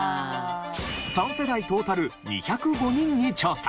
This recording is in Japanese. ３世代トータル２０５人に調査。